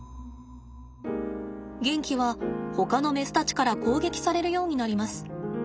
ゲンキはほかのメスたちから攻撃されるようになります。